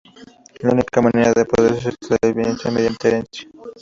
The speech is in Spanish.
La única manera de poder deshacerse de la vivienda era mediante herencia.